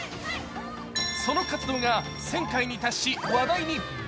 その活動が１０００回に達し、話題に。